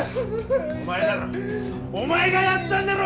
お前だろお前がやったんだろ！